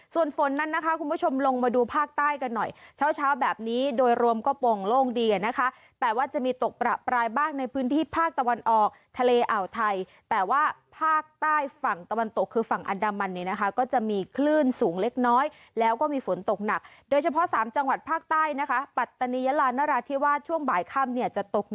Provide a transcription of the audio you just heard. ส่วนฝนนั้นนะคะคุณผู้ชมลงมาดูภาคใต้กันหน่อยเช้าเช้าแบบนี้โดยรวมก็โป่งโล่งดีอ่ะนะคะแต่ว่าจะมีตกประปรายบ้างในพื้นที่ภาคตะวันออกทะเลอ่าวไทยแต่ว่าภาคใต้ฝั่งตะวันตกคือฝั่งอันดามันเนี่ยนะคะก็จะมีคลื่นสูงเล็กน้อยแล้วก็มีฝนตกหนักโดยเฉพาะสามจังหวัดภาคใต้นะคะปัตตานียาลานราธิวาสช่วงบ่ายค่ำเนี่ยจะตก